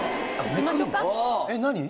えっ何？